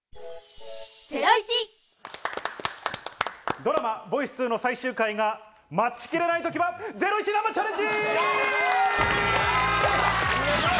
ドラマ『ボイス２』の最終回が待ちきれないときは、ゼロイチ生チャレンジ！